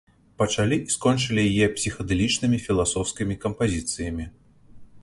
Пачалі і скончылі яе псіхадэлічнымі філасофскімі кампазіцыямі.